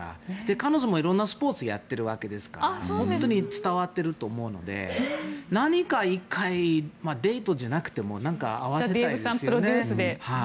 彼女も色んなスポーツをやっているわけですから本当に伝わっていると思うので何か１回デートじゃなくても。